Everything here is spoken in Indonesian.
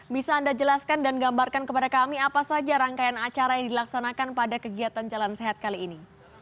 bisa anda jelaskan dan gambarkan kepada kami apa saja rangkaian acara yang dilaksanakan pada kegiatan jalan sehat kali ini